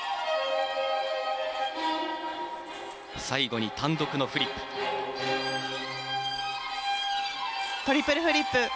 最後に単独のフリップ。